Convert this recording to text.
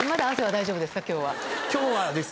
大丈夫です。